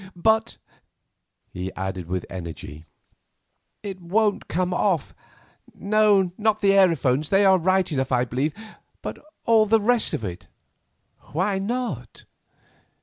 But," he added with energy, "it won't come off. No, not the aerophones, they are right enough I believe, but all the rest of it." "Why not?"